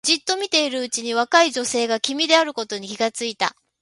じっと見ているうちに若い女性が君であることに気がついた